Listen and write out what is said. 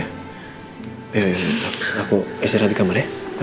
eh aku istirahat di kamar ya